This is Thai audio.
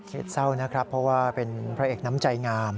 เศร้านะครับเพราะว่าเป็นพระเอกน้ำใจงาม